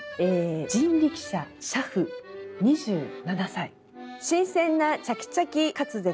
「人力車俥夫２７歳新鮮なチャキチャキ滑舌